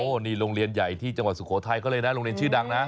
นี่โรงเรียนใหญ่ที่จังหวัดสุโขทัยเขาเลยนะโรงเรียนชื่อดังนะ